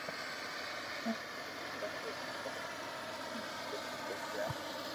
آم ني جي لاگي او ڪرو مارو ڪوئي ڪوئ جائي